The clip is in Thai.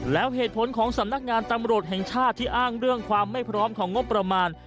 แล้วเหตุผลของสำนักงานตำรวจแห่งชาติที่อ้างเรื่องความไม่พร้อมของงบประมาณ